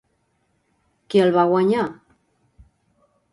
Qui el va guanyar?